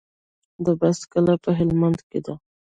د بست کلا په هلمند کې ده